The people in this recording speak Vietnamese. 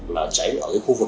nó cháy ở cái khu vực